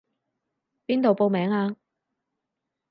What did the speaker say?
邊度報名啊？